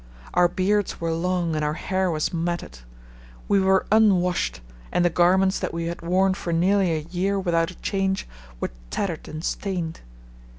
Our beards were long and our hair was matted. We were unwashed and the garments that we had worn for nearly a year without a change were tattered and stained.